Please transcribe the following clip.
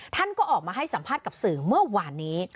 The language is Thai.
ท่านก็ออกมาให้สัมภาษณ์กับสื่อเมื่อวานนี้